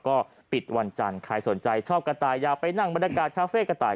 ก็ปิดวันจันทร์ใครสนใจชอบกระต่ายอย่าไปนั่งบรรยากาศคาเฟ่กระต่าย